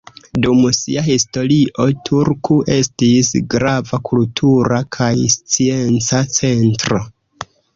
Dum sia historio, Turku estis grava kultura kaj scienca centro.